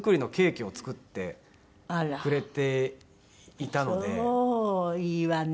いいわね。